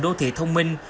đô thị thông minh